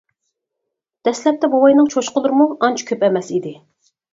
دەسلەپتە بوۋاينىڭ چوشقىلىرىمۇ ئانچە كۆپ ئەمەس ئىدى.